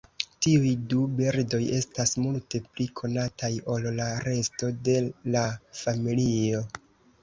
Tiuj du birdoj estas multe pli konataj ol la resto de la familio.